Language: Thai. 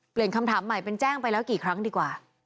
คำถามใหม่เป็นแจ้งไปแล้วกี่ครั้งดีกว่า